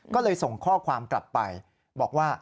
ก็เลยส่งข้อความกลับไปบอกว่า